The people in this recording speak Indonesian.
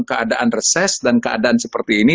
keadaan reses dan keadaan seperti ini